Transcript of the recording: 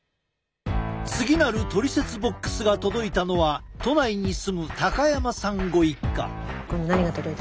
次なるトリセツボックスが届いたのは都内に住む高山さんご一家。